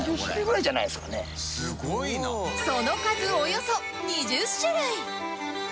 その数およそ２０種類